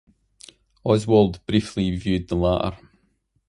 Oswald briefly viewed the latter.